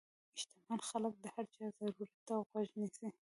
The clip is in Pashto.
شتمن خلک د هر چا ضرورت ته غوږ نیسي.